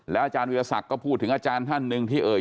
อาจารย์วิทยาศักดิ์ก็พูดถึงอาจารย์ท่านหนึ่งที่เอ่ย